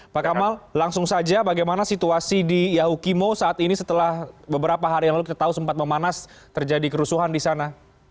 pak kamal langsung saja bagaimana situasi di yahukimo saat ini setelah beberapa hari yang lalu kita tahu sempat memanas terjadi kerusuhan di sana